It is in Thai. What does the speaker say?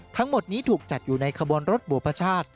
ทั้งหมดนี้ถูกจัดอยู่ในขบวนรถบัวพชาติ